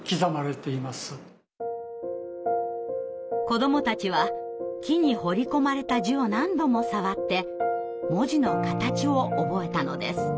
子どもたちは木に彫り込まれた字を何度も触って文字の形を覚えたのです。